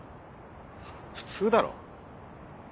普通だろ。